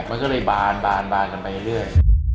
มันก็เลยบานกันไปเรื่อย